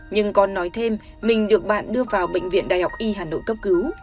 nhưng con nói thêm mình được bạn đưa vào bệnh viện đại học y hà nội cấp cứu